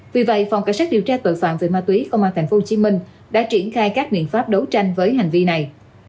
vì vậy phòng cảnh sát điều tra tội phạm về ma túy công an tp hcm đã triển khai các biện pháp đấu tranh với hành vi này